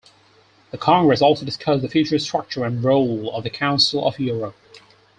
The Congress also discussed the future structure and role of the Council of Europe.